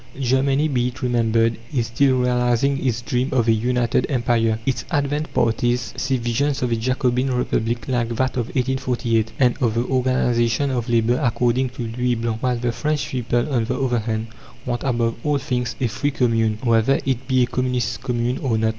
Germany, be it remembered, is still realizing its dream of a United Empire. Its advanced parties see visions of a Jacobin Republic like that of 1848, and of the organization of labour according to Louis Blanc; while the French people, on the other hand, want above all things a free Commune, whether it be a communist Commune or not.